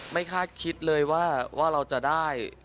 คาดคิดเลยว่าเราจะได้